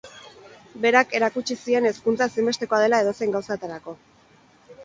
Berak erakutsi zien hezkuntza ezinbestekoa dela edozein gauzatarako.